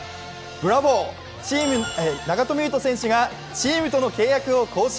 長友佑都選手がチームとの契約を更新。